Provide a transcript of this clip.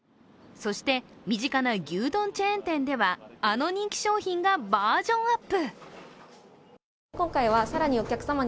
そして、身近な牛丼チェーン店ではあの人気商品がバージョンアップ。